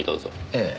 ええ。